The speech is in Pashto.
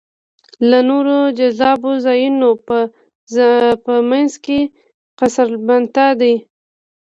له نورو جذابو ځایونو په منځ کې قصرالبنت دی.